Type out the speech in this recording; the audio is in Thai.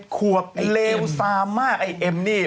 ขวบเลวซามาไอ้เอ็มนี่